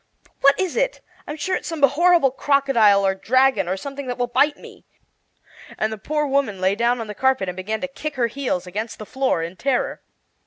"What is it? I'm sure it's some horrible crocodile, or dragon, or something that will bite me!" And the poor woman lay down on the carpet and began to kick her heels against the floor in terror.